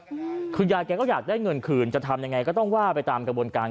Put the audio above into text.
อืมคือยายแกก็อยากได้เงินคืนจะทำยังไงก็ต้องว่าไปตามกระบวนการ